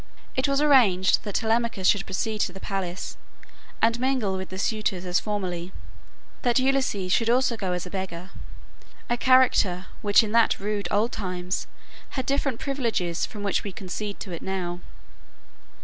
It was arranged that Telemachus should proceed to the palace and mingle with the suitors as formerly; that Ulysses should also go as a beggar, a character which in the rude old times had different privileges from what we concede to it now.